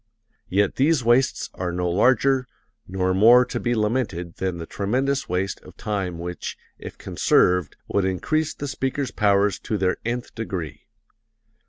Yet these wastes are no larger, nor more to be lamented than the tremendous waste of time which, if conserved would increase the speaker's powers to their nth degree.